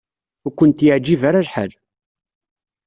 Ur kent-yeɛjib ara lḥal.